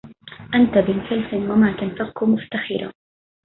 أنت بن فلس وماتنفك مفتخرا